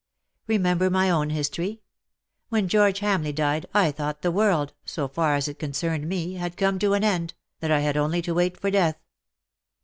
Be member my own history. When George Hamleigh died I thought the world — so far as it concerned me — had come to an end, that I had only to wait for death.